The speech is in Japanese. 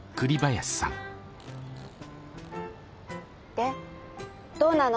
でどうなの？